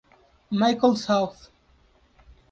Michael South.